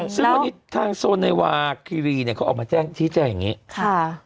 ซึ่งวันนี้ทางโซนเนวาคีรีเนี่ยเขาออกมาแจ้งชี้แจงอย่างนี้ค่ะ